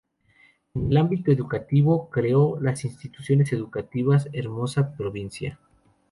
En el ámbito educativo, creó las Instituciones Educativas Hermosa Provincia.